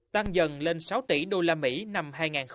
tăng dần lên sáu tỷ đô la mỹ năm hai nghìn một mươi